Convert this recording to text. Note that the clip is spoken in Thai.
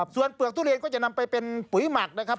ส่วนเปลือกทุเรียนก็จะนำไปเป็นปุ๋ยหมักนะครับ